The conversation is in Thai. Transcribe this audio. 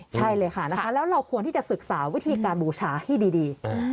ใช่เลยค่ะนะคะแล้วเราควรที่จะศึกษาวิธีการบูชาให้ดี